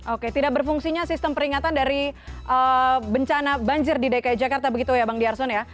oke tidak berfungsinya sistem peringatan dari bencana banjir di dki jakarta begitu ya bang ⁇ yarson ya